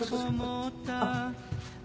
あっ。